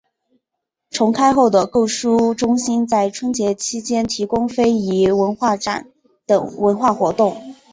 重开后的购书中心在春节期间提供非遗文化展等文化活动。